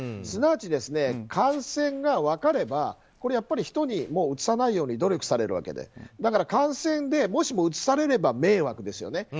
すなわち、感染が分かれば人にうつさないように努力されるわけで感染で、もしもうつされれば迷惑ですよね。